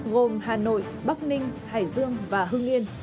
gồm hà nội bắc ninh hải dương và hưng yên